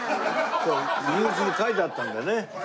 入り口に書いてあったんだよね。